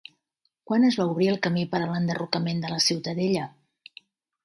Quan es va obrir el camí per a l'enderrocament de la Ciutadella?